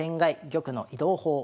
玉の移動法」。